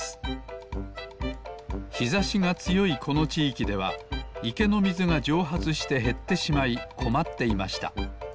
ひざしがつよいこのちいきではいけのみずがじょうはつしてへってしまいこまっていました